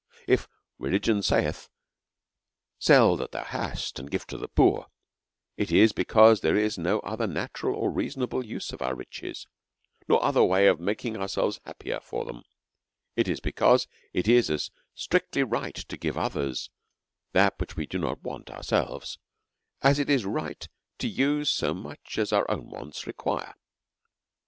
If religion saith, Sell that thou hast, and gi're to the poor, it is because there is no other natural or rea sonable use of our riches, no other way of making ourselves happier for them ; it is because it is as strictly right to give others that which w e do not want ourselves as it is right to use so much as our own wants require.